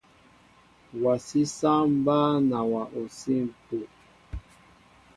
Wasi saŋ mba nawa osim epuh.